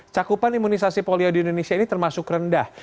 cakupan imunisasi polio di indonesia ini termasuk rendah